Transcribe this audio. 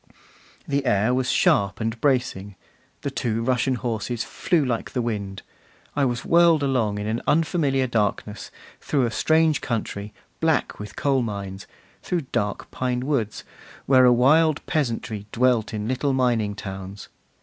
The air was sharp and bracing; the two Russian horses flew like the wind; I was whirled along in an unfamiliar darkness, through a strange country, black with coal mines, through dark pine woods, where a wild peasantry dwelt in little mining towns.